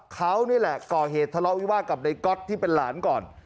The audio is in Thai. เขานี่แหละก่อเหตุทะเลาะวิวาสกับในก๊อตที่เป็นหลานก่อน